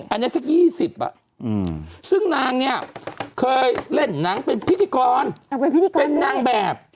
อันเนี้ยสักยี่สิบอ่ะอืมซึ่งนางเนี้ยเคยเล่นนางเป็นพิธีกรเป็นนางแบบ